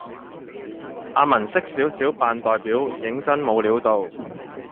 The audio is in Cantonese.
阿文識少少扮代表認真冇料到